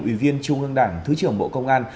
ủy viên trung ương đảng thứ trưởng bộ công an